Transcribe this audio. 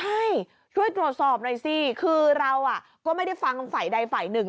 ใช่ช่วยตรวจสอบหน่อยสิคือเราก็ไม่ได้ฟังฝ่ายใดฝ่ายหนึ่ง